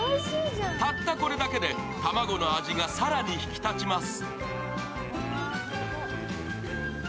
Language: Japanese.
たったこれだけで卵の味が更に引き立ちます。